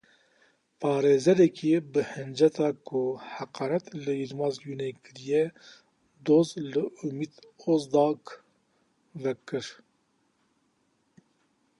Parêzerekî bi hinceta ku heqaret li Yilmaz Guney kiriye doz li Umit Ozdag vekir.